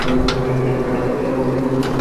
এটা একটা ফাঁদ হতে পারে।